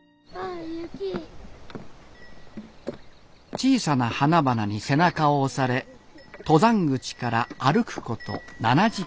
小さな花々に背中を押され登山口から歩くこと７時間。